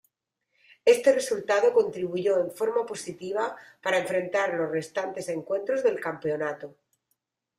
Este resultado contribuyó en forma positiva para enfrentar los restantes encuentros del campeonato.